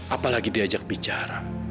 apalagi diajak bicara